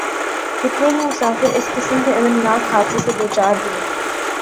کتنے ہی مسافر اس قسم کے الم ناک حادثے سے دوچار ھوۓ